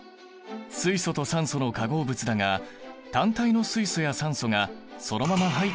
水素と酸素の化合物だが単体の水素や酸素がそのまま入っているわけではない。